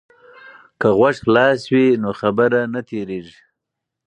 که غوږ خلاص وي نو خبره نه تیریږي.